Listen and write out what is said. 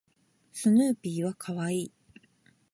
スヌーピーは可愛い